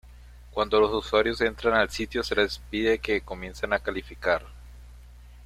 Cuando los usuarios entran al sitio se les pide que comiencen a clasificar.